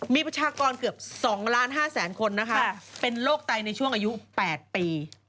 มีประชากรเกือบ๒ล้าน๕แสนคนนะคะเป็นโรคไตในช่วงอายุ๘ปี